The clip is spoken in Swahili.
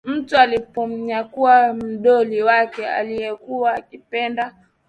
mtu alimponyakua mdoli wake aliyokuwa akiupenda